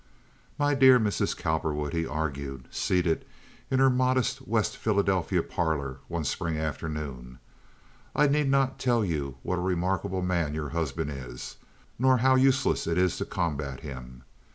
"My dear Mrs. Cowperwood," he argued, seated in her modest West Philadelphia parlor one spring afternoon, "I need not tell you what a remarkable man your husband is, nor how useless it is to combat him.